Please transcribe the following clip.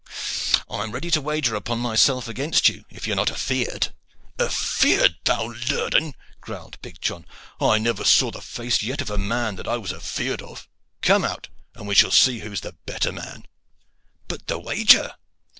I am ready to wager upon myself against you if you are not afeard." "Afeard, thou lurden!" growled big John. "I never saw the face yet of the man that I was afeard of. Come out, and we shall see who is the better man." "But the wager?"